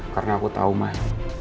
karena aku tau mah